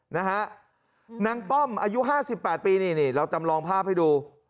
นางป้อมอายุ๕๘ปีนี่นี่เราจำลองภาพให้ดู